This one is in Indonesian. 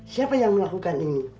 siapa yang melakukan ini